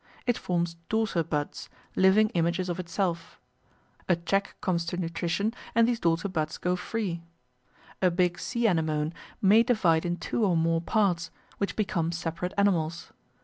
It forms daughter buds, living images of itself; a check comes to nutrition and these daughter buds go free. A big sea anemone may divide in two or more parts, which become separate animals.